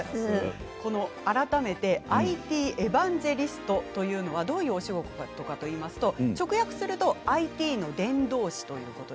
改めてＩＴエバンジェリストとはどういうお仕事かといいますと直訳するとＩＴの伝道師。